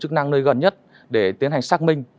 chức năng nơi gần nhất để tiến hành xác minh